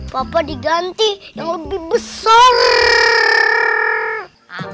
bapak diganti yang lebih besarrrrrrrrrrrrrr